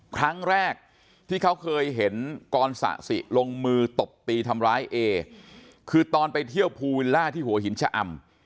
ครั้งแรกที่เขาเคยเห็นกรสะสิลงมือตบตีทำร้ายเอคือตอนไปเที่ยวภูวิลล่าที่หัวหินชะอำ